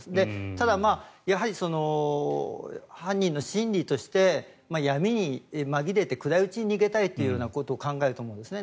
ただ、やはり犯人の心理として闇に紛れて暗いうちに逃げたいということを考えると思うんですね。